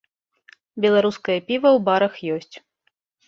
Беларускае піва ў барах ёсць.